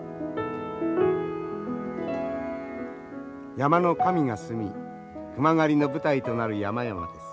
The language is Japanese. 山の神が住み熊狩りの舞台となる山々です。